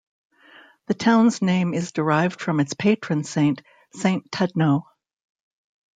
The town's name is derived from its patron saint, Saint Tudno.